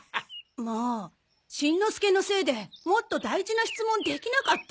もうしんのすけのせいでもっと大事な質問できなかった。